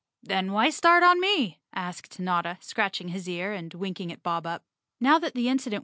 "Then why start on me?" asked Notta, scratching his ear and winking at Bob Up. Now that the incident